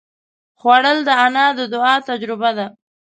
خوړل د انا د دعا تجربه ده